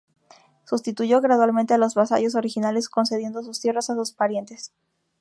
Sustituyó gradualmente a los vasallos originales, concediendo sus tierras a sus parientes.